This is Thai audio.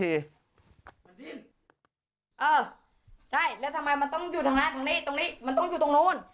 เออใช่แล้วทำไมมันต้องอยู่ทางร้านตรงนี้ตรงนี้มันต้องอยู่ตรงนู้น